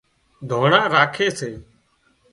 ۮانڻا راکي سي